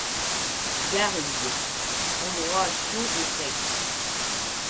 Garrigues, endroits chauds et secs.